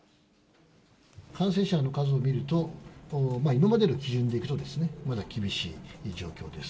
感染者の数を見ると、今までの基準でいくと、まだ厳しい状況です。